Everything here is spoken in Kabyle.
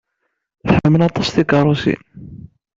Tḥemmel aṭas tikeṛṛusin.